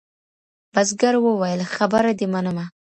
بزګر وویل خبره دي منمه